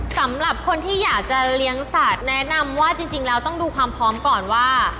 สำหรับคนที่อยากจะเลี้ยงสัตว์แนะนำว่าจริงแล้วต้องดูความพร้อมก่อนว่า